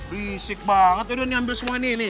risik banget lo udah ambil semua ini